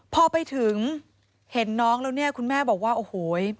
พอไปถึงเห็นน้องแล้วเนี่ยคุณแม่บอกว่าโอ้โห